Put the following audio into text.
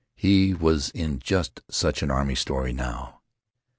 He was in just such an army story, now!